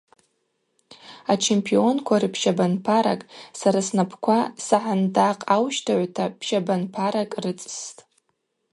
Ачемпионква рыпщабанпаракӏ Сара снапӏква сагӏындакъаущтыгӏвта пщабанпаракӏ рыцӏстӏ.